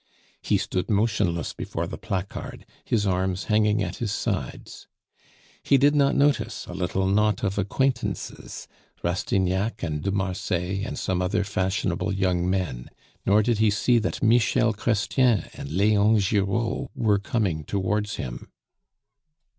He stood motionless before the placard, his arms hanging at his sides. He did not notice a little knot of acquaintances Rastignac and de Marsay and some other fashionable young men; nor did he see that Michel Chrestien and Leon Giraud were coming towards him.